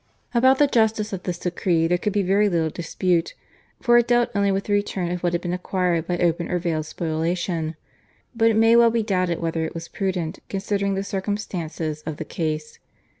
About the justice of this decree there could be very little dispute, for it dealt only with the return of what had been acquired by open or veiled spoliation, but it may well be doubted whether it was prudent considering the circumstances of the case.